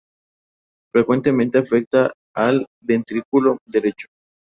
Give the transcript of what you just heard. Frecuentemente afecta al ventrículo derecho.